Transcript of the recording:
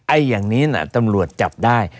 อย่างนี้น่ะตำรวจจับได้